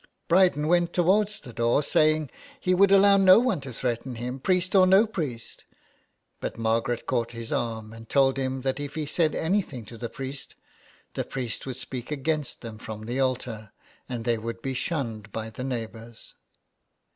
Bryden went towards the door, saying he would allow no one to threaten him, priest or no priest, but Margaret caught his arm and told him that if he said anything to the priest, the priest would speak against them from the altar, and they would be shunned by the neighbours.